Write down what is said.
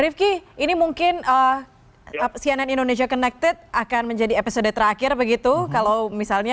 rifki ini mungkin cnn indonesia connected akan menjadi episode terakhir begitu kalau misalnya